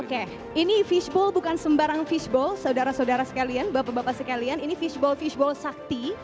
oke ini fishbowl bukan sembarang fishbowl saudara saudara sekalian bapak bapak sekalian ini fishbowl fishbowl sakti